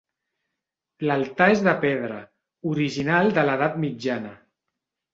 L'altar és de pedra, original de l'edat mitjana.